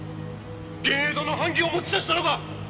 藝榮堂の版木を持ち出したのか！？